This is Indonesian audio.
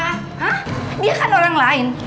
ah dia kan orang lain